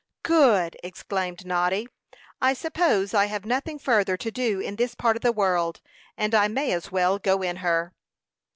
"Good!" exclaimed Noddy. "I suppose I have nothing further to do in this part of the world, and I may as well go in her."